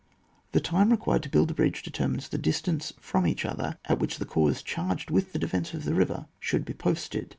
The time required to build a bridge determines the distance from each other at which the corps charged with the defence of the river should be posted.